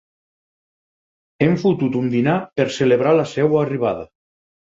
Hem fotut un dinar per celebrar la seva arribada.